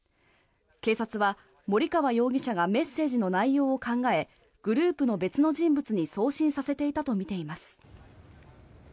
警察は、森川容疑者がメッセージの内容を考えグループの別の人物に送信させていたとみています。